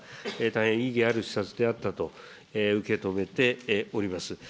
大変意義ある視察であったと受け止めております。